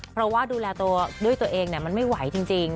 เพราะว่าดูแลตัวด้วยตัวเองมันไม่ไหวจริง